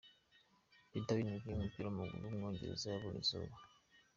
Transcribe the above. Peter Winn, umukinnyi w’umupira w’amaguru w’umwongereza yabonye izuba.